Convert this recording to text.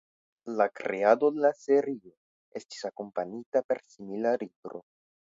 La kreado de la serio estis akompanita per simila libro.